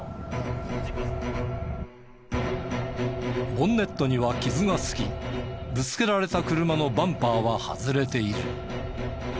ボンネットには傷がつきぶつけられた車のバンパーは外れている。